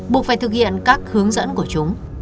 buộc phải thực hiện các hướng dẫn của chúng